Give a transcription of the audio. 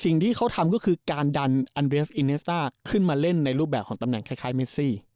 สิ่งที่เขาทำก็คือการดันอันเรียฟอินเนสต้าขึ้นมาเล่นในรูปแบบของตำแหน่งคล้ายเมซี่